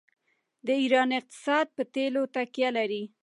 د ایران اقتصاد په تیلو تکیه لري.